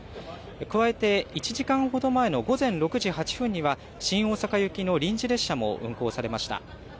加えて１時間ほど前の午前６時８分には、新大阪行きの臨時列車も運行されました。